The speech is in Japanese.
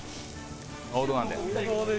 王道なんで。